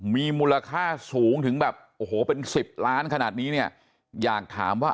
มีมูลค่าสูงถึงแบบโอ้โหเป็นสิบล้านขนาดนี้เนี่ยอยากถามว่า